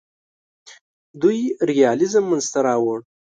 دوی ریالیزم منځ ته راوړ.